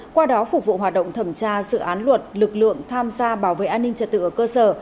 qua đó phục vụ hoạt động thẩm tra dự án luật lực lượng tham gia bảo vệ an ninh trật tự ở cơ sở